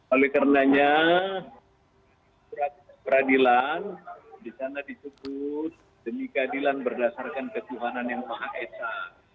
oleh karenanya peradilan di sana disebut demi keadilan berdasarkan ketuhanan yang maha esa